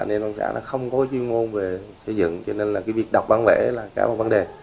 nên xã không có chuyên môn về xây dựng cho nên là cái việc đọc bản vẽ là cao bằng vấn đề